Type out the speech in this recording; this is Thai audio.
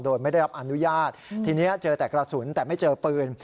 โดยไม่ได้รับอนุญาตทีนี้เจอแต่กระสุนแต่ไม่เจอปืน